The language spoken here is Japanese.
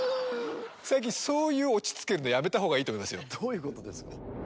最近そういうオチつけるのやめた方がいいと思いますよどういうことですか？